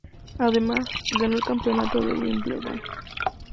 Además, ganó el Campeonato de Wimbledon.